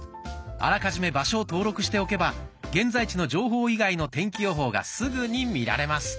あらかじめ場所を登録しておけば現在地の情報以外の天気予報がすぐに見られます。